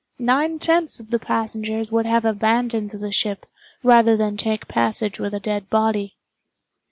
Nine tenths of the passengers would have abandoned the ship rather than take passage with a dead body.